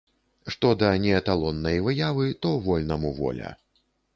Што да неэталоннай выявы, то вольнаму воля.